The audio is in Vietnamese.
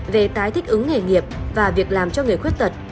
về tái thích ứng nghề nghiệp và việc làm cho người khuyết tật